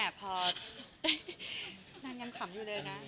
นานคล้ำอยู่เลยนะ